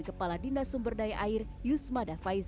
kepala dinas sumber daya air yusma davaiz